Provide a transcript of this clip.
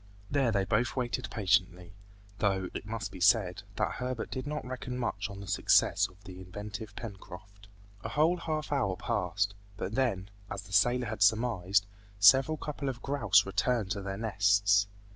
There they both waited patiently; though, it must be said, that Herbert did not reckon much on the success of the inventive Pencroft. A whole half hour passed, but then, as the sailor had surmised, several couple of grouse returned to their nests.